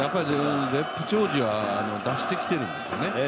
絶不調時は脱してきているんですね。